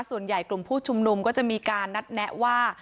กลุ่มผู้ชุมนุมก็จะมีการนัดแนะว่า